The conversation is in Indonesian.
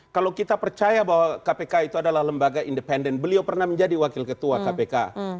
kalau kita percaya bahwa kpk itu adalah lembaga independen beliau pernah menjadi wakil ketua kpk